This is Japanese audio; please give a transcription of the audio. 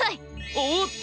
おっと！